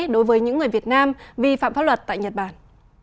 đối với những người việt nam vi phạm pháp luật tại nhật bản